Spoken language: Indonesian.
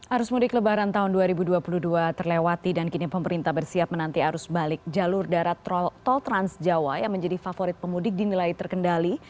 arus mudik lebaran tahun dua ribu dua puluh dua terlewati dan kini pemerintah bersiap menanti arus balik jalur darat tol transjawa yang menjadi favorit pemudik dinilai terkendali